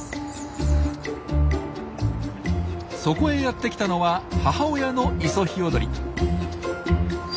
そこへやってきたのは母親のイソヒヨドリ。